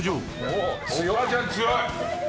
お母ちゃん強い。